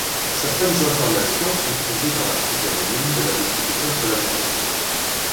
Certaines informations sont puisées dans l'article homonyme de la Wikipedia polonaise.